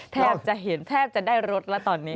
แทบจะเห็นแทบจะได้รถแล้วตอนนี้